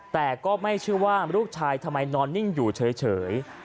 แต่ก็ไม่เชื่อว่าลูกชายทำไมนอนนิ่งอยู่เฉย